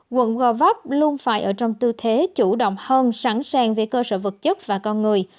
quận gò vấp luôn phải ở trong tư thế chủ động hơn sẵn sàng về cơ sở vật chất và con người